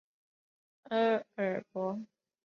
厄尔伯。